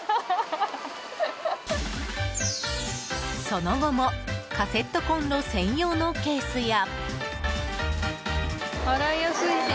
その後もカセットコンロ専用のケースや。